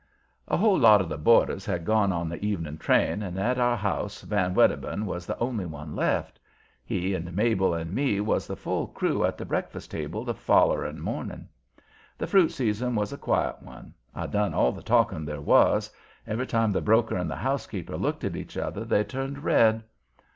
A whole lot of the boarders had gone on the evening train, and at our house Van Wedderburn was the only one left. He and Mabel and me was the full crew at the breakfast table the follering morning. The fruit season was a quiet one. I done all the talking there was; every time the broker and the housekeeper looked at each other they turned red.